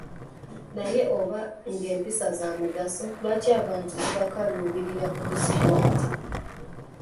Naye oba ng'empisa za mugaso lwaki abantu zibakaluubirira okuzikwata?